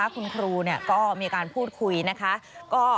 คุณครูก็มีการพูดคุยนะคะ